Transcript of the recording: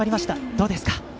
どうですか？